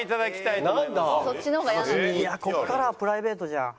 いやここからはプライベートじゃん。